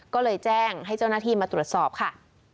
ก็เลยแจ้งให้เจ้าหน้าที่มาตรวจสอบค่ะ